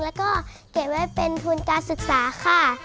แล้วก็เก็บไว้เป็นทุนการศึกษาค่ะ